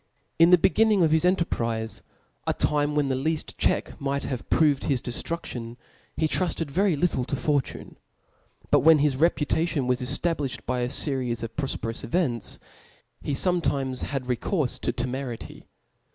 In the bc^nningof his enterprize, a time when the kaft check might have proved his dcftruftion, he trufted very little to fortune 5 but when his re putation was eftablilhed by a feries of proTperous events, he fometimes had recourfe to temerity.